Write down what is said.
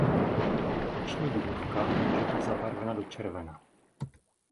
Oční duhovka může být zbarvena do červena.